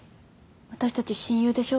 私たち親友でしょ？